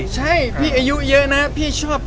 ใช่พี่อายุเยอะนะพี่ชอบ